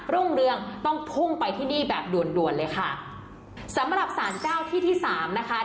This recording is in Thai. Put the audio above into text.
รุ่งเรืองต้องพุ่งไปที่นี่แบบด่วนด่วนเลยค่ะสำหรับสารเจ้าที่ที่สามนะคะ